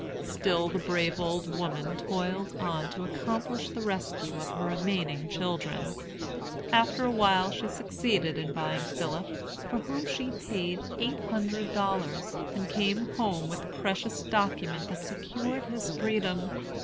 Still the brave old woman toiled on to accomplish the rescue of her remaining children. After a while she succeeded in buying Philip, for whom she paid eight hundred dollars, and came home with the precious document that secured his freedom.